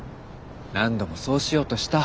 何度もそうしようとした。